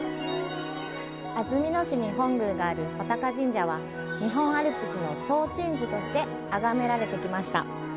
安曇野市に本宮がある穂高神社は日本アルプスの総鎮守としてあがめられてきました。